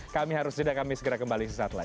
kami harus jeda kami segera kembali sesaat lagi